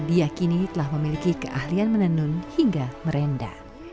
diakini telah memiliki keahlian menenun hingga merenda